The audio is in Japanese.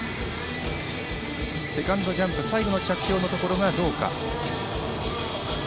セカンドジャンプ、最後の着氷のところがどうか。